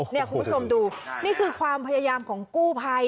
นี่คุณผู้ชมดูนี่คือความพยายามของกู้ภัย